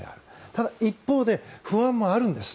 ただ、一方で不安もあるんです。